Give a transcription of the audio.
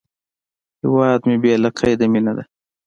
هیواد مې بې له قیده مینه ده